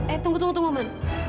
eh tunggu tunggu tunggu man